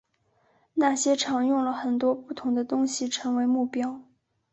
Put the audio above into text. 那些场用了很多不同的东西成为目标。